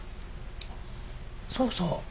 そうそう。